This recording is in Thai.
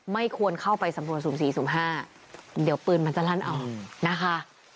ไม่ควรเข้าไปสำรวจสุ่มสี่สุ่มห้าเดี๋ยวปืนมันจะลั่นออกนะคะ